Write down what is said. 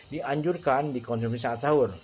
dianjurkan dikonsumsi saat sahur